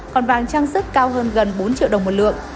còn vàng trang sức cao hơn gần bốn triệu đồng một lượng